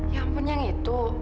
ya ampun yang itu